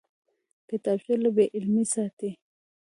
کتابچه له بېعلمۍ ساتي